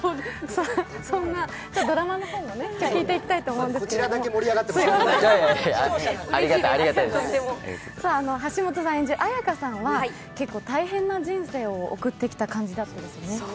そんなドラマの方も聞いていきたいと思うんですけど、橋本さん演じる綾華さんは結構大変な人生を送ってきた感じなんですよね。